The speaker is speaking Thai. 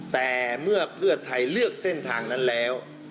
แต่เมื่อเพื่อที่เส้นทางนั้นแล้ว